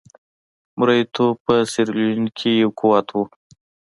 مریتوب په سیریلیون کې یو قوت وو.